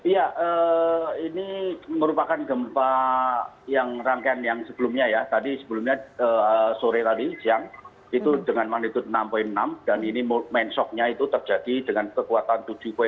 ya ini merupakan gempa yang rangkaian yang sebelumnya ya tadi sebelumnya sore tadi siang itu dengan magnitud enam enam dan ini main shocknya itu terjadi dengan kekuatan tujuh lima